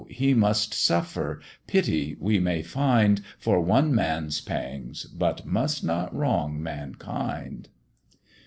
he must suffer: pity we may find For one man's pangs, but must not wrong mankind.